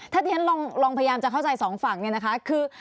ถ้าที่นั้นลองพยายามจะเข้าใจสองฝั่งคือ